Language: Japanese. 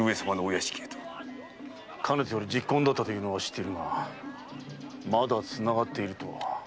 かねてより昵懇だったとは知っているがまだつながっているとは。